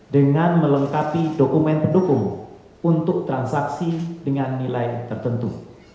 dengan melengkapi dokumen pendukung untuk transaksi dengan nilai tertentu